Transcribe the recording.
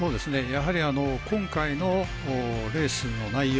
やはりあの今回のレースの内容。